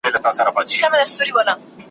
بد بوټي ته سپي هم بولي نه کوي .